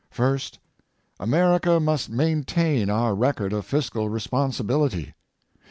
First, America must maintain our record of fiscal responsibility.